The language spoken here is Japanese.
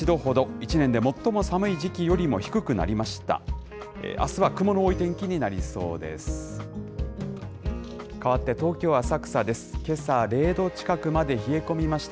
一年で最も寒い時期よりも低くなりました。